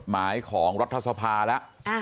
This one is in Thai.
หมายของรัฐสภาแล้ว